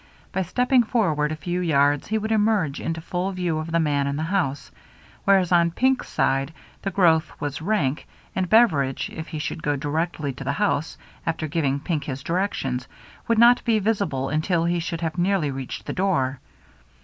By stepping for ward a few yards he would emerge into full view of the man in the house, whereas on Pink's side the growth was rank, and Bever idge, if he should go directly to the house after giving Pink his directions, would not be visible until he should have nearly reached the door.